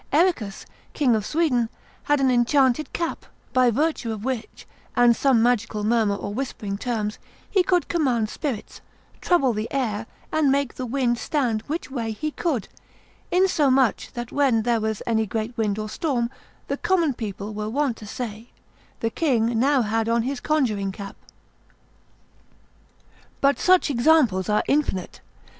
Erricus, King of Sweden, had an enchanted cap, by virtue of which, and some magical murmur or whispering terms, he could command spirits, trouble the air, and make the wind stand which way he would, insomuch that when there was any great wind or storm, the common people were wont to say, the king now had on his conjuring cap. But such examples are infinite.